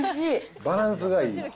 バランスがいい。